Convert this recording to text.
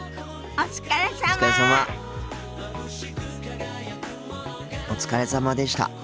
お疲れさまでした。